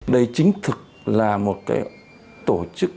đây chính thực là một tổ chức